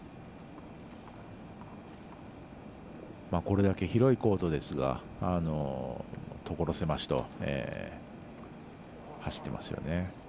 これだけ広いコートですが所狭しと走ってますね。